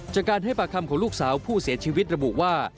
จากการให้ปากคำของลูกสาวผู้เสียชีวิตระบุว่า